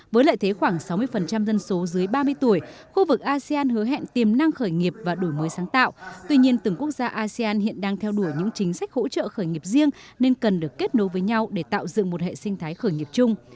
với lợi thế khoảng sáu mươi dân số dưới ba mươi tuổi khu vực asean hứa hẹn tiềm năng khởi nghiệp và đổi mới sáng tạo tuy nhiên từng quốc gia asean hiện đang theo đuổi những chính sách hỗ trợ khởi nghiệp riêng nên cần được kết nối với nhau để tạo dựng một hệ sinh thái khởi nghiệp chung